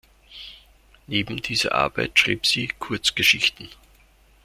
Neben dieser Arbeit schrieb sie Kurzgeschichten.